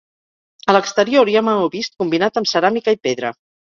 A l'exterior hi ha maó vist combinat amb ceràmica i pedra.